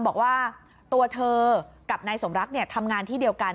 บอกว่าตัวเธอกับนายสมรักทำงานที่เดียวกัน